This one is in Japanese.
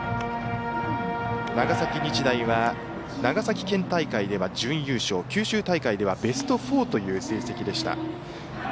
長崎日大は長崎県大会では準優勝九州大会ではベスト４という成績でした。